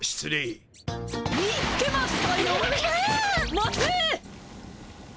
待て！